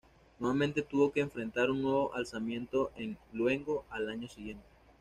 Nuevamente tuvo que enfrentar un nuevo alzamiento de Luengo al año siguiente.